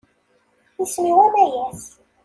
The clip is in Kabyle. Isem-iw Amayes.